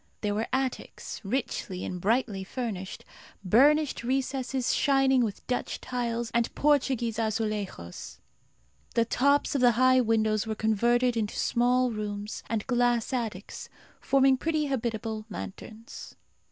There were attics, richly and brightly furnished; burnished recesses shining with Dutch tiles and Portuguese azulejos. The tops of the high windows were converted into small rooms and glass attics, forming pretty habitable lanterns.